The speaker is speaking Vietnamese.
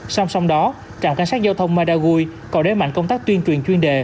song song đó trạm cảnh sát giao thông madagui còn đế mạnh công tác tuyên truyền chuyên đề